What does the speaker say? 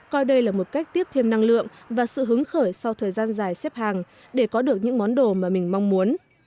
coi đây là một cách tiếp thêm năng lượng và sự hứng khởi sau thời gian dài xếp hàng để có được những món đồ mà mình mong muốn